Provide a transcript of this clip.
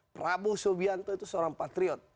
prabowo subianto itu seorang patriot